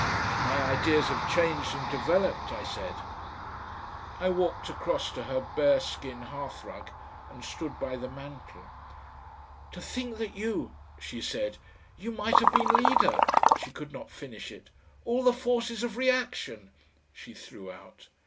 "My ideas have changed and developed," I said. I walked across to her bearskin hearthrug, and stood by the mantel. "To think that you," she said; "you who might have been leader " She could not finish it. "All the forces of reaction," she threw out.